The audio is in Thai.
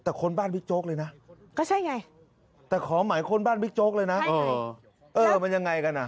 แต่คนบ้านบิ๊กโจ๊กเลยนะก็ใช่ไงแต่ขอหมายค้นบ้านบิ๊กโจ๊กเลยนะเออมันยังไงกันอ่ะ